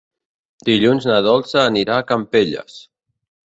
Dilluns na Dolça anirà a Campelles.